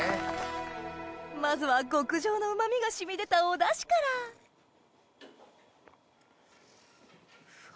まずは極上のうま味が染み出たお出汁からうわ。